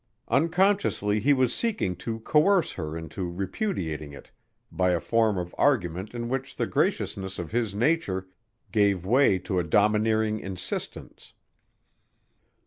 Unconsciously he was seeking to coerce her into repudiating it by a form of argument in which the graciousness of his nature gave way to a domineering insistence.